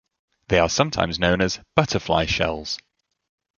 They are sometimes known as "butterfly shells".